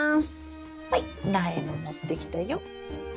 はい苗も持ってきたよ。